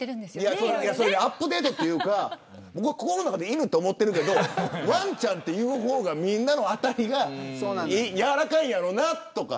アップデートというか心の中では犬と思ってるけどわんちゃんと言う方がみんなの当たりがやわらかいやろなとか。